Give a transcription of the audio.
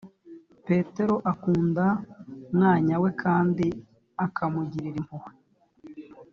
petero akunda mwanya we kandi ukamugirira impuhwe